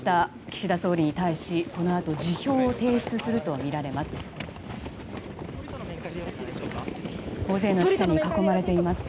岸田総理に対し、このあと辞表を提出するとみられます。